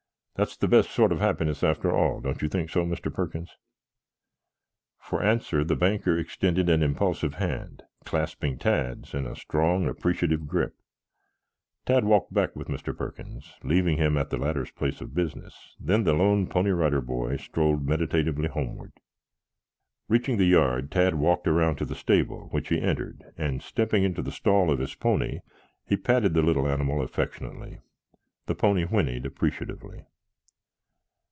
That's the best sort of happiness after all. Don't you think so, Mr. Perkins?" For answer the banker extended an impulsive hand, clasping Tad's in a strong, appreciative grip. Tad walked back with Mr. Perkins, leaving him at the latter's place of business, then the lone Pony Rider Boy strolled meditatively homeward. Reaching the yard, Tad walked around to the stable, which he entered, and stepping into the stall of his pony, he patted the little animal affectionately. The pony whinnied appreciatively.